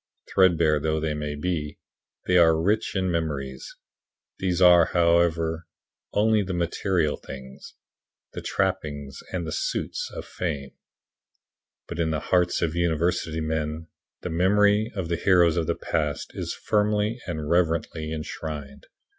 Threadbare though they may be, they are rich in memories. These are, however, only the material things "the trappings and the suits" of fame but in the hearts of university men the memory of the heroes of the past is firmly and reverently enshrined.